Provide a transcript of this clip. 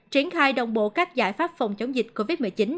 triển khai đồng bộ các giải pháp phòng chống dịch covid một mươi chín